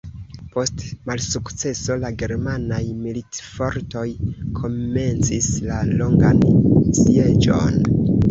Post malsukceso la germanaj militfortoj komencis la longan sieĝon.